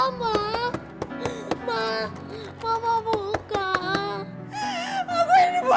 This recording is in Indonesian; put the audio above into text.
aku yang dibuat intan jadi kayak gini aku yang salah